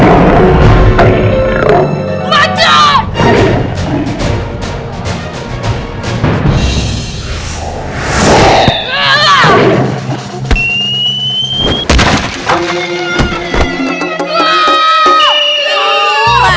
ini gimana keluarin dari kantong saya